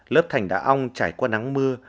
lớp thành đá ong trải qua nắng mưa